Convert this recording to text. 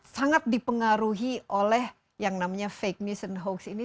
sangat dipengaruhi oleh yang namanya fake news dan hoax ini